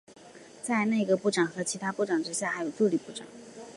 在内阁部长和其他部长之下还有助理部长。